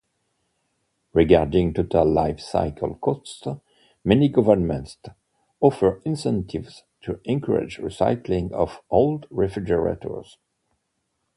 Regarding total life-cycle costs, many governments offer incentives to encourage recycling of old refrigerators.